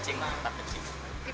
tocing lah tap docing